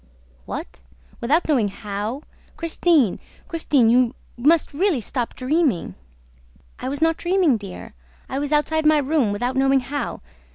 "What! Without knowing how? Christine, Christine, you must really stop dreaming!" "I was not dreaming, dear, I was outside my room without knowing how.